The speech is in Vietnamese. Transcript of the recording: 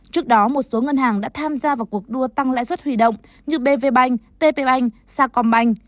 trước đó một số ngân hàng đã tham gia vào cuộc đua tăng lãi suất huy động như bv bành tp bành sacom bành